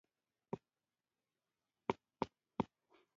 د هلک نوم ټام و او له حشراتو سره یې لوبې کولې.